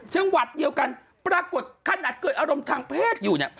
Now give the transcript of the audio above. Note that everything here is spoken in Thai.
จังหวัดเดียวกันปรากฏขนาดเกิดอารมณ์ทางเพศอยู่เนี่ย